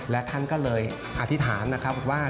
และท่านก็เลยอธิษฐานนะครับว่า